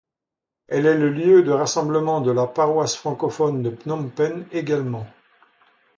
Elle est le lieu de rassemblement de la paroisse francophone de Phnom Penh également.